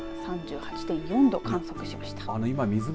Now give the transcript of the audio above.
新潟が３８．４度を観測しました。